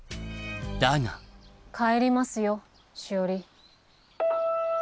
だが帰りますよしおり。